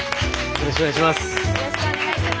よろしくお願いします。